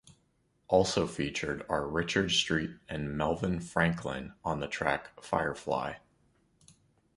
Also featured are Richard Street and Melvin Franklin on the track "Firefly".